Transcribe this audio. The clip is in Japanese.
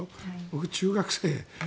僕、中学生。